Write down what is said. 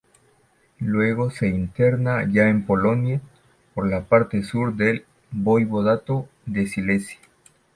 Luego se interna ya en Polonia por la parte sur del voivodato de Silesia.